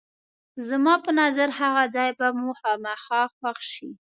زما په نظر هغه ځای به مو خامخا خوښ شي.